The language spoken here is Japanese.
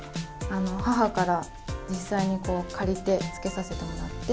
母から実際に借りてつけさせてもらって、